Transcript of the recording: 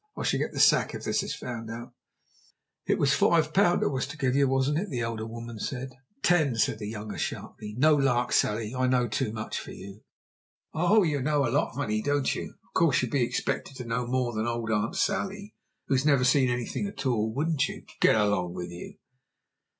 I shall get the sack if this is found out." "It was five pound I was to give yer, wasn't it?" the elder woman said. "Ten," said the younger sharply. "No larks, Sally. I know too much for you!" "Oh, you know a lot, honey, don't you? Of course you'd be expected to know more than old Aunt Sally, who's never seen anything at all, wouldn't you? Go along with you!"